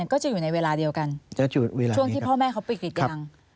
ก็จะอยู่ในเวลาเดียวกันช่วงที่พ่อแม่เขาปิดกรีดยาง